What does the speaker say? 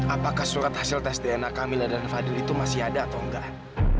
apakah surat hasil tes dna kamila dan fadil itu masih ada atau enggak